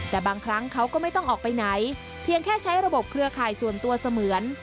แต่บางครั้งเขาก็ไม่ต้องออกไปไหนเพียงแค่ใช้ระบบเครือข่ายส่วนตัวเสมือน